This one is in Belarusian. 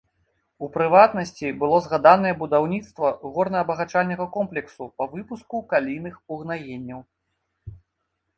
У прыватнасці, было згаданае будаўніцтва горна-абагачальнага комплексу па выпуску калійных угнаенняў.